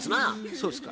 そうっすか。